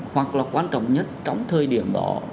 hoặc là quan trọng nhất trong thời điểm đó